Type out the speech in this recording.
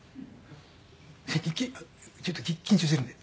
ちょっと緊張しているんで。